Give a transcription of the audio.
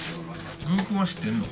具君は知ってるの？